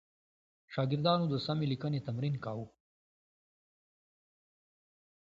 شاګردانو د سمې لیکنې تمرین کاوه.